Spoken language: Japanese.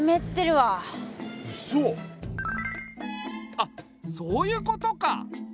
あっそういうことか！